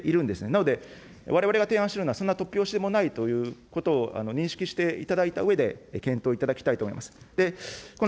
なので、われわれが提案しているのは、そんな突拍子もないようなことではないということを認識していただいたうえで、検討いただきたいと思います。